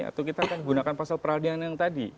atau kita akan gunakan pasal peradilan yang tadi